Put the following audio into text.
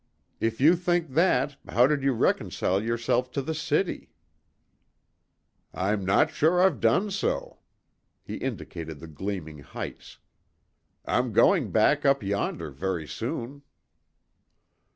"If you think that, how did you reconcile yourself to the city?" "I'm not sure I've done so." He indicated the gleaming heights. "I'm going back up yonder very soon."